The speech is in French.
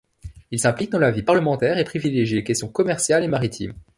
Il s'implique dans la vie parlementaire et privilégie les questions commerciales et maritimes.